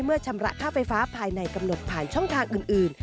ชำระค่าไฟฟ้าภายในกำหนดผ่านช่องทางอื่น